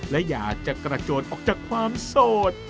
และอยากจะกระโจนออกจากความโสด